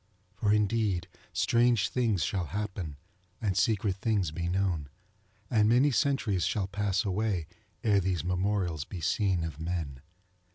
For indeed strange things shall happen, and secret things be known, and many centuries shall pass away, ere these memorials be seen of men.